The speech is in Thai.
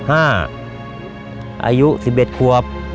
อายุ๑๑ควบ